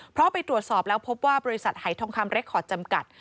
เพราะไปตรวจสอบแล้วพบว่าบริษัทหายทองคำเรคคอร์ดจำกัด